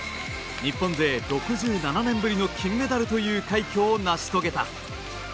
日本勢６７年ぶりの金メダルという快挙を成し遂げた。